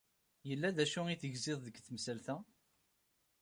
Yella d acu tegziḍ deg tmsalt-a?